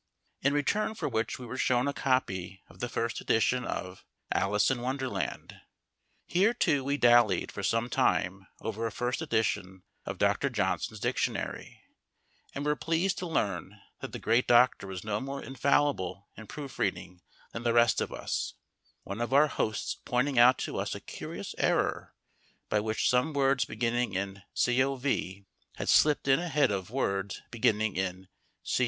In return for which we were shown a copy of the first edition of "Alice in Wonderland." Here, too, we dallied for some time over a first edition of Dr. Johnson's Dictionary, and were pleased to learn that the great doctor was no more infallible in proofreading than the rest of us, one of our hosts pointing out to us a curious error by which some words beginning in COV had slipped in ahead of words beginning in COU.